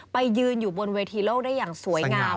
ไปยืนอยู่บนเวทีโลกได้อย่างสวยงาม